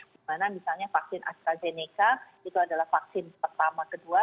dimana misalnya vaksin astrazeneca itu adalah vaksin pertama kedua